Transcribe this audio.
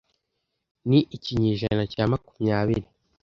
Ni ikinyejana cya makumyabiri